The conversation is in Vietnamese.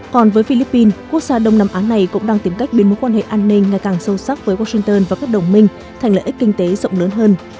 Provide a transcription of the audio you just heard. còn với philippines quốc gia đông nam á này cũng đang tìm cách biến mối quan hệ an ninh ngày càng sâu sắc với washington và các đồng minh thành lợi ích kinh tế rộng lớn hơn